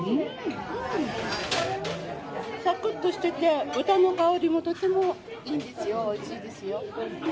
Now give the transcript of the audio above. さくっとしてて、豚の香りもとてもいいですよ、おいしいですよ。